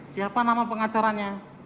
siapa nama pengacaranya